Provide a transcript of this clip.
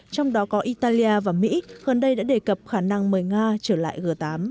trong đó có italia và mỹ gần đây đã đề cập khả năng mời nga trở lại g tám